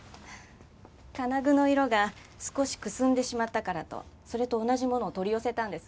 金具の色が少しくすんでしまったからとそれと同じものを取り寄せたんです。